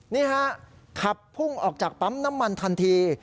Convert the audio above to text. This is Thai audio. นี่ฮะขับพุ่งออกจากปั๊มน้ำมันทันที